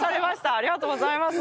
ありがとうございます！